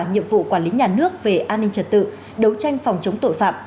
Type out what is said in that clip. nhiệm vụ quản lý nhà nước về an ninh trật tự đấu tranh phòng chống tội phạm